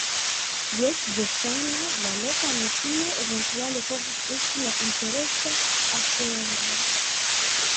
Jes, verŝajne, la loka metio eventuale povus esti la interesa afero.